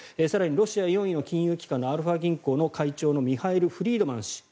更にロシア４位の金融機関のアルファ銀行のミハイル・フリードマン氏。